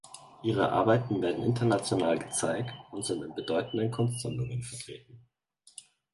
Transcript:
Ihre Arbeiten werden international gezeigt und sind in bedeutenden Kunstsammlungen vertreten.